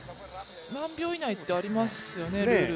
何秒以内ってありますよね、ルール。